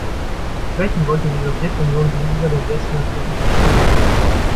Schwächen wollte die Sowjetunion gegenüber dem Westen natürlich nicht zugeben.